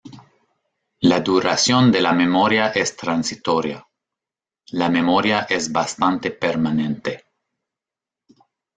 La duración de la memoria es transitoria; la memoria es bastante permanente.